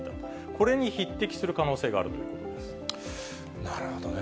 これに匹敵する可能性があるということなるほどね。